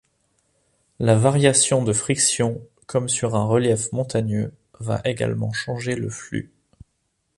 La variation de friction, comme sur un relief montagneux, va également changer le flux.